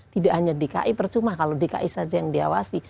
tidak hanya dki percuma kalau dki saja yang diawasi